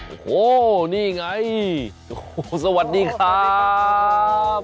โอ้โฮนี่ไงสวัสดีครับ